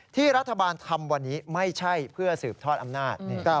ที่รัฐบาลทำวันนี้ไม่ใช่เพื่อสืบทอดอำนาจ